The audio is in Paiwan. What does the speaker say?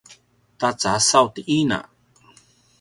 ta casaw ti ina